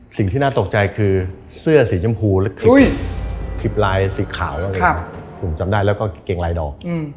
สิ่งที่น่าตกใจคือเสื้อสีชมพูและคลิปลายสีขาวนั่นเองผมจำได้แล้วก็เกรงลายดอก